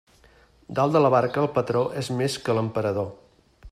Dalt de la barca el patró és més que l'emperador.